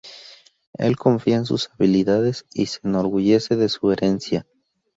Él confía en sus habilidades y se enorgullece de su herencia.